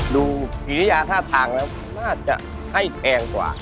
กิริยาท่าทางแล้วน่าจะให้แพงกว่า